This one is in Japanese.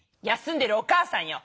「休んでいるお母さん」！